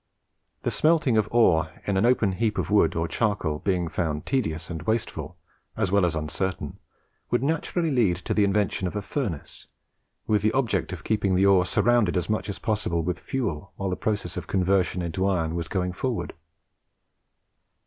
The smelting of ore in an open heap of wood or charcoal being found tedious and wasteful, as well as uncertain, would naturally lead to the invention of a furnace; with the object of keeping the ore surrounded as much as possible with fuel while the process of conversion into iron was going forward.